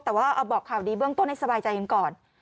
แต่ว่าเอาบอกข่าวดีเบื้องต้นให้สบายใจกันก่อน